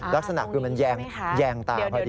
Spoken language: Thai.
ลักษณะคือมันแยงตาพอดี